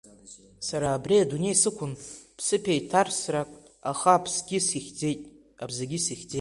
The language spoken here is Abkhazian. Сара абри адунеи сықәын ԥсыԥеиҭарсрак, аха аԥсгьы сихьӡеит, абзагьы сихьӡеит.